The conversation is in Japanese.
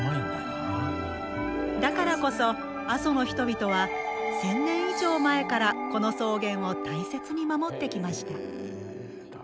だからこそ、阿蘇の人々は１０００年以上前からこの草原を大切に守ってきました。